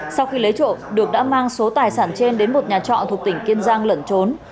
sau khi lấy trộm được đã mang số tài sản trên đến một nhà trọ thuộc tỉnh kiên giang lẩn trốn